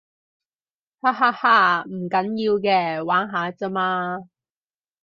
哈哈哈，唔緊要嘅，玩下咋嘛